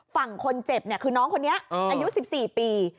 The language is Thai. ฝั่งคนเจ็บคือน้องคนนี้อายุ๑๔ปี